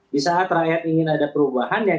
di saat rakyat ingin ada perubahan